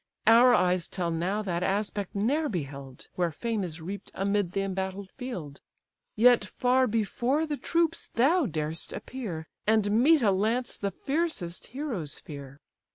Our eyes till now that aspect ne'er beheld, Where fame is reap'd amid the embattled field; Yet far before the troops thou dar'st appear, And meet a lance the fiercest heroes fear.